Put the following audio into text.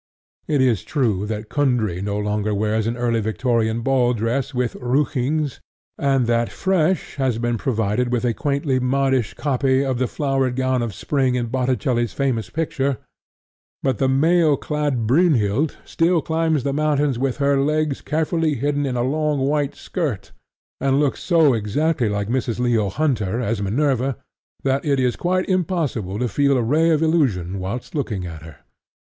It is true that Kundry no longer wears an early Victorian ball dress with "ruchings," and that Fresh has been provided with a quaintly modish copy of the flowered gown of Spring in Botticelli's famous picture; but the mailclad Brynhild still climbs the mountains with her legs carefully hidden in a long white skirt, and looks so exactly like Mrs. Leo Hunter as Minerva that it is quite impossible to feel a ray of illusion whilst looking at her.